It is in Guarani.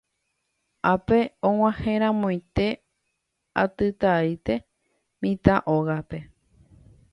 Ápe og̃uahẽramoite atytaite mitã ógape.